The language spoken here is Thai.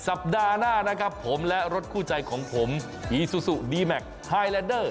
สัปดาห์หน้านะครับผมและรถคู่ใจของผมอีซูซูดีแมคไฮแลนเดอร์